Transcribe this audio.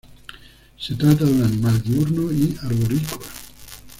Se trata de un animal diurno y arborícola.